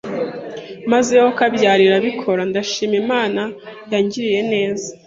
maze yokabyara irabikora, ndashima Imana yangiriye neza